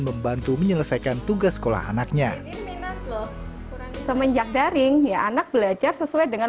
membantu menyelesaikan tugas sekolah anaknya semenjak daring ya anak belajar sesuai dengan